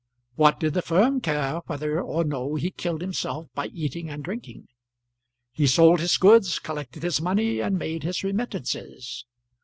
What did the firm care whether or no he killed himself by eating and drinking? He sold his goods, collected his money, and made his remittances.